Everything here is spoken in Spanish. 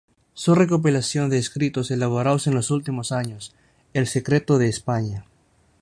Su recopilación de escritos, elaborados en los últimos años, "El secreto de España.